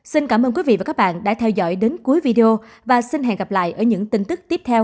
xin cảm ơn quý vị và các bạn đã theo dõi đến cuối video và xin hẹn gặp lại ở những tin tức tiếp theo